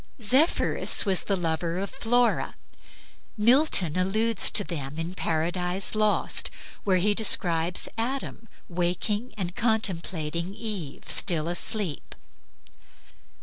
Zephyrus was the lover of Flora. Milton alludes to them in "Paradise Lost," where he describes Adam waking and contemplating Eve still asleep.